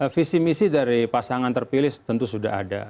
visi misi dari pasangan terpilih tentu sudah ada